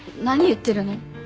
何言ってるの？